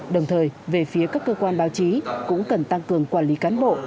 đồng thời về phía các cơ quan báo chí cũng cần tăng cường quản lý cán bộ